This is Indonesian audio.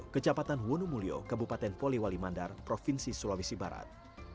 kejabatan wonomulyo kabupaten poliwalimandar provinsi sulawesi barat